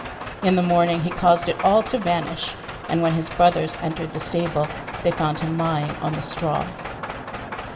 In the morning, he caused it all to vanish, and when his brothers entered the stable they found him lying on the straw.